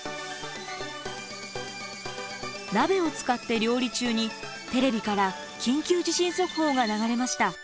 鍋を使って料理中にテレビから緊急地震速報が流れました。